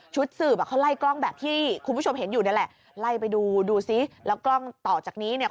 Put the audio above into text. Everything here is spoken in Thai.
ชุดสืบเขาไล่กล้องแบบที่โทษไม่จุดไล่ไปดูดูสิแล้วกล้องต่อจากนี้เนี่ย